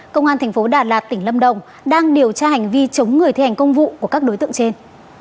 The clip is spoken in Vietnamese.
công an thành phố đà lạt tỉnh lâm đồng đang điều tra hành vi chống người thi hành công vụ của các đối tượng trên